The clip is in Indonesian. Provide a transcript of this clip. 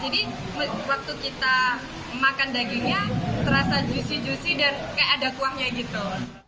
jadi waktu kita makan dagingnya terasa juicy juicy dan kayak ada kuahnya gitu